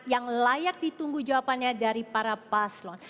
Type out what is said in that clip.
yang layak ditunggu jawabannya dari para paslon